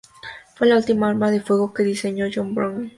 Fue la última arma de fuego que diseñó John Browning.